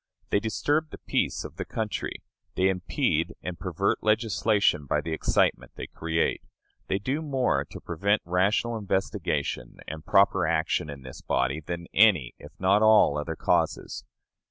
They disturb the peace of the country; they impede and pervert legislation by the excitement they create; they do more to prevent rational investigation and proper action in this body than any, if not all, other causes.